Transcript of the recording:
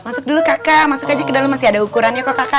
masuk dulu kakak masuk aja ke dalam masih ada ukurannya kok kakak